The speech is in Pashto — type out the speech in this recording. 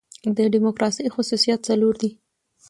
د ډیموکراسۍ خصوصیات څلور دي.